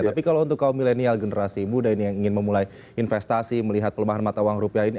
tapi kalau untuk kaum milenial generasi muda ini yang ingin memulai investasi melihat pelemahan mata uang rupiah ini